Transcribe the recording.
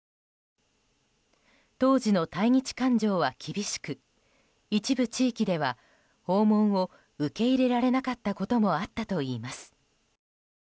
当時の対日感情は厳しく一部地域では、訪問を受け入れられなかったこともあったといいます。